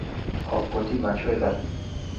ขอบคุณที่มาช่วยกัน